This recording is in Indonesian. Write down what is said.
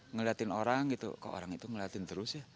ngeliatin orang gitu kok orang itu ngeliatin terus ya